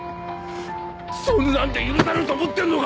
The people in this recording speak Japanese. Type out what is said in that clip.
そんなんで許されると思ってんのか！